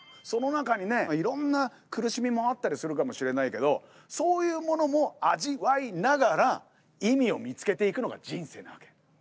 その中にねいろんな苦しみもあったりするかもしれないけどそういうものも味わいながら意味を見つけていくのが人生なわけ。